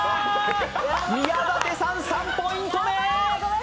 宮舘さん、３ポイント目！